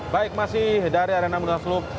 baik masih dari arena bunda selup